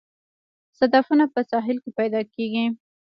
صدفونه په ساحل کې پیدا کیږي